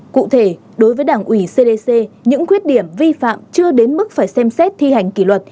cụ thể đối với đảng ủy cdc những khuyết điểm vi phạm chưa đến mức phải xem xét thi hành kỷ luật